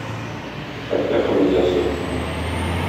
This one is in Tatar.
Хәлфә кымыз ясый.